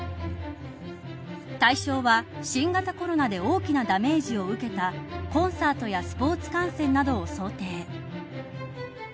対象は、新型コロナで大きなダメージを受けたコンサートやスポーツ観戦などを想定。